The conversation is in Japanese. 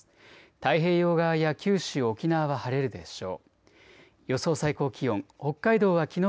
太平洋側や九州、沖縄は晴れるでしょう。